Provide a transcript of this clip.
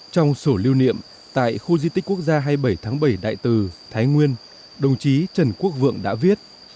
trong sổ lưu niệm tại khu di tích quốc gia hai mươi bảy tháng bảy đại tử thái nguyên đồng chí trần quốc vượng đã viết